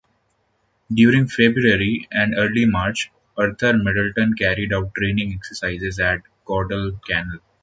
During February and early March, "Arthur Middleton" carried out training exercises at Guadalcanal.